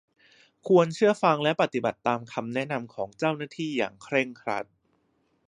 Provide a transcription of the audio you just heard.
ควรเชื่อฟังและปฏิบัติตามคำแนะนำของเจ้าหน้าที่อย่างเคร่งครัด